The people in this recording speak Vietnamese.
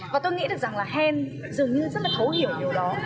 và tôi nghĩ được rằng là hen dường như rất là thấu hiểu điều đó